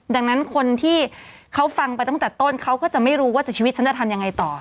ดังนั้นคนที่เขาฟังไปตั้งแต่ต้นเขาก็จะไม่รู้ว่าชีวิตฉันจะทำยังไงต่อ